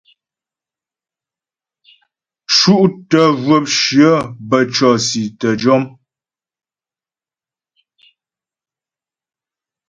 Cútə zhwəpshyə bə́ cɔ̀si tə́ jɔm.